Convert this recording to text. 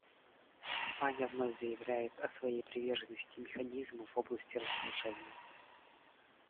Испания вновь заявляет о своей приверженности механизму в области разоружения.